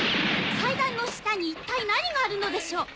祭壇の下に一体何があるのでしょう？